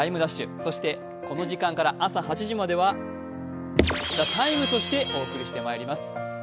そして、この時間から朝８時までは「ＴＨＥＴＩＭＥ，」としてお送りしてまいります。